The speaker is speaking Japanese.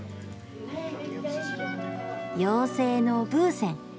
妖精のブーセン。